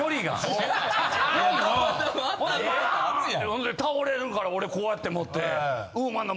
ほんで倒れるから俺こうやって持って。